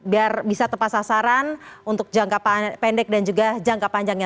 biar bisa tepat sasaran untuk jangka pendek dan juga jangka panjangnya